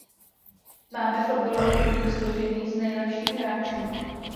Máme fotbalový tým složený z nejlepších hráčů.